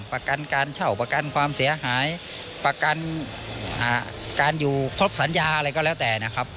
ประกันการเช่าประกันความเสียหายประกันการอยู่ครบสัญญาอะไรก็แล้วแต่นะครับ